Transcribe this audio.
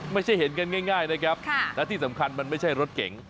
ไม่ใช่เห็นกันง่ายนะครับและที่สำคัญมันไม่ใช่รถเก๋ง